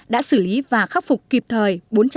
đã xử lý và khắc phục kịp thời